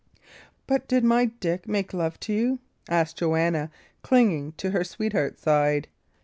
"But did my Dick make love to you?" asked Joanna, clinging to her sweetheart's side.